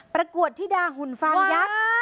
ประกวดธิดาหุ่นฟางยักษ์